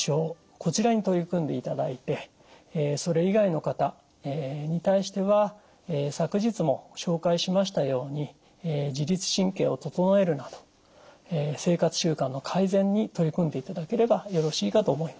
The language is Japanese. こちらに取り組んでいただいてそれ以外の方に対しては昨日も紹介しましたように自律神経を整えるなど生活習慣の改善に取り組んでいただければよろしいかと思います。